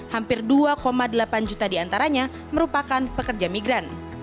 hampir dua delapan juta diantaranya merupakan pekerja migran